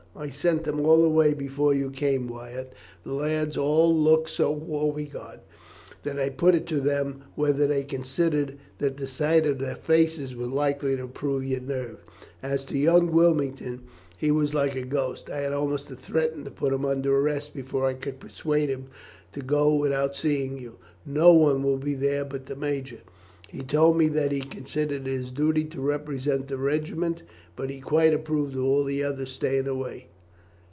"I sent them all away before you came, Wyatt. The lads all looked so woebegone that I put it to them whether they considered that the sight of their faces was likely to improve your nerve. As to young Wilmington, he was like a ghost. I had almost to threaten to put him under arrest before I could persuade him to go without seeing you. No one will be there but the major. He told me that he considered it his duty to represent the regiment, but he quite approved of all the others staying away.